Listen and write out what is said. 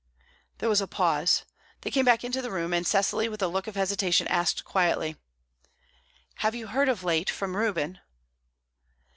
There was a pause. They came back into the room, and Cecily, with a look of hesitation, asked quietly, "Have you heard of late from Reuben?"